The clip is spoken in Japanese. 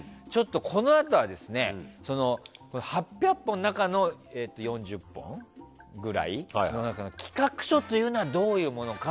このあとは８００本の中の４０本ぐらいの企画書というのはどういうものか